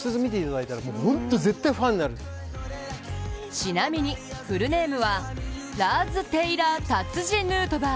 ちなみにフルネームはラーズ・テイラー・タツジ・ヌートバー。